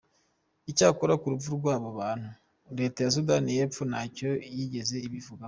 Icyakora ku rupfu rw’abo bantu, Leta ya Sudani y’Epfo ntacyo yigeze ibivugaho.